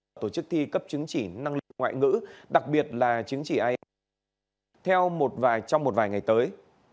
và tổ chức thi cấp chứng chỉ năng lực ngoại ngữ đặc biệt là chứng chỉ ai theo trong một vài ngày tới